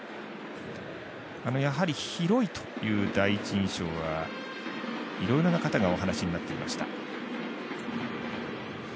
やはり、広いという第一印象はいろいろな方がお話になっていました。